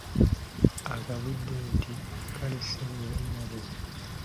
Ogabbudde nti kaale ssebo oba nnyabo.